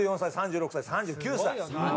３４歳３６歳３９歳。